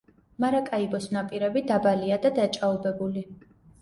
მარაკაიბოს ნაპირები დაბალია და დაჭაობებული.